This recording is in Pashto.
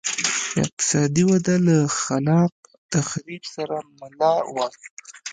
اقتصادي وده له خلاق تخریب سره مله وه